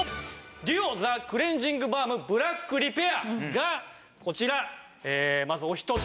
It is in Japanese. ＤＵＯザクレンジングバームブラックリペアがこちらまずお一つ。